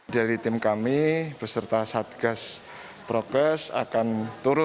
dari tim kami beserta satgas prokes akan turun